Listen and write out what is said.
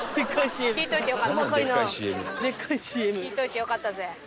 聞いといてよかったぜ。